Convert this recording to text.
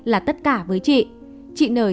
là tất cả với chị chị nời